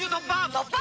突破！